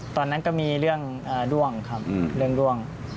ตอนนั้นก็มีเรื่องด้วงครับเรื่องด้วง